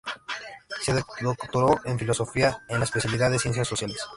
Se doctoró en filosofía, en la especialidad de ciencias sociales.